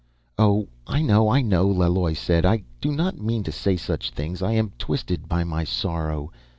"Oh, I know, I know," Laloi said. "I do not mean to say such things. I am twisted by my sorrow